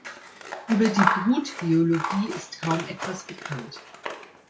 Über die Brutbiologie ist kaum etwas bekannt.